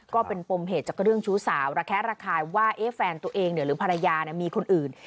ก็เป็นปมเหตุจากเรื่องชู้สาวระแคะระคายว่าแฟนตัวเองหรือภรรยามีคนอื่น